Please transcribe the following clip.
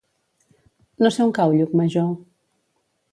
No sé on cau Llucmajor.